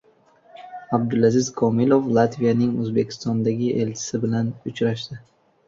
Abdulaziz Komilov Latviyaning O‘zbekistondagi elchisi bilan uchrashdi